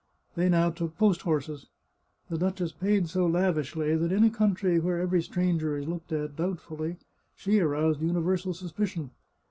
They now took post horses. The duchess paid so lavishly, that in a country, where every stranger is looked at doubtfully, she aroused universal suspicion.